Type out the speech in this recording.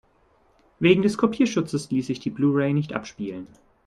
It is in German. Wegen des Kopierschutzes ließ sich die Blu-ray nicht abspielen.